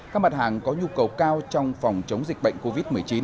các mặt hàng có nhu cầu cao trong phòng chống dịch bệnh covid một mươi chín